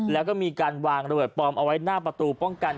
แล้วก็มีการวางระเบิดปลอมเอาไว้หน้าประตูป้องกัน